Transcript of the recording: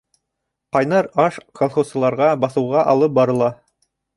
Ҡайнар аш колхозсыларға баҫыуға алып барыла.